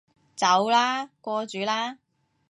走啦，過主啦